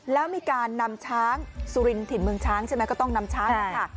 แล้วมีการนำช้างสุรินถิ่นเมืองช้างใช่ไหมก็ต้องนำช้างนะคะ